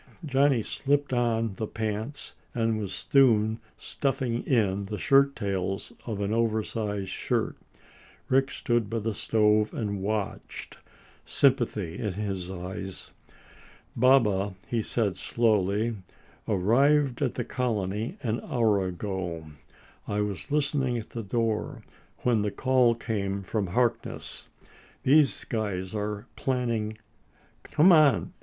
Johnny slipped on the pants and was soon stuffing in the shirt tails of the oversized shirt. Rick stood by the stove and watched, sympathy in his eyes. "Baba," he said slowly, "arrived at the colony an hour ago. I was listening at the door when the call came from Harkness. These guys are planning " "Come on!"